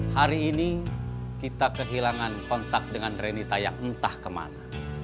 hari ini kita kehilangan kontak dengan renita yang entah kemana